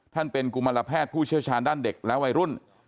เป็นกุมารแพทย์ผู้เชี่ยวชาญด้านเด็กและวัยรุ่น